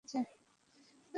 তার মোচ আছে।